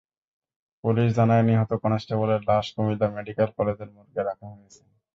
Police জানায়, নিহত কনস্টেবলের লাশ কুমিল্লা মেডিকেল কলেজের মর্গে রাখা হয়েছে।